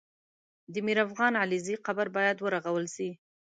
د میرافغان علیزي قبر باید ورغول سي